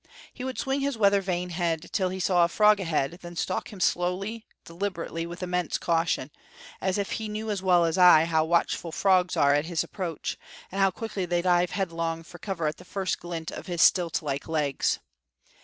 He would swing his weather vane head till he saw a frog ahead, then stalk him slowly, deliberately, with immense caution; as if he knew as well as I how watchful the frogs are at his approach, and how quickly they dive headlong for cover at the first glint of his stilt like legs.